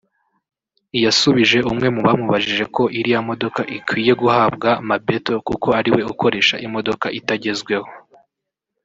yasubije umwe mu bamubajije ko iriya modoka ikwiye guhabwa Mabetto kuko ariwe ukoresha imodoka itagezweho